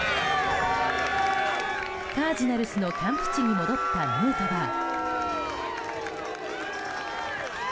カージナルスのキャンプ地に戻ったヌートバー。